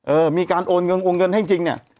เออมีการโอนเงินโอนเงินให้จริงเนี่ย